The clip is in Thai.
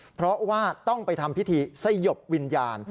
เพราะว่าต้องไปทำพิธีสยบวิญญาณ